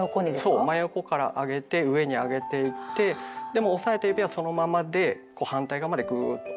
そう真横からあげて上にあげていってでも押さえた指はそのままでこう反対側までグーッと。